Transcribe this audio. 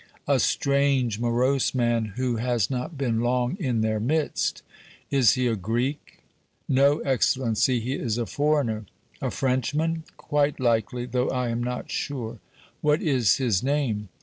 "A strange, morose man, who has not been long in their midst." "Is he a Greek?" "No, Excellency, he is a foreigner." "A Frenchman?" "Quite likely, though I am not sure." "What is his name?"